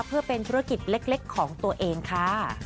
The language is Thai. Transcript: เพื่อเป็นธุรกิจเล็กของตัวเองค่ะ